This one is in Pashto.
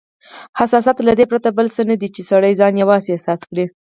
حسادت له دې پرته بل څه نه دی، چې سړی ځان یوازې احساس کړي.